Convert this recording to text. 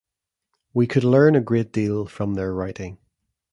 We could learn a great deal from their writing.